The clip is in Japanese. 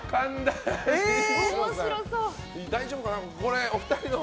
大丈夫かな。